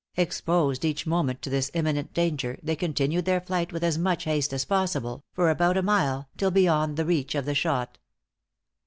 Exposed each moment to this imminent danger, they continued their flight with as much haste as possible, for about a mile, till beyond the reach of the shot.